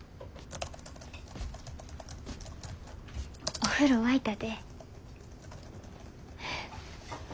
お風呂沸いたで。